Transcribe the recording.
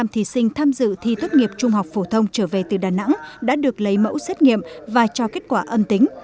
một mươi thí sinh tham dự thi tốt nghiệp trung học phổ thông trở về từ đà nẵng đã được lấy mẫu xét nghiệm và cho kết quả âm tính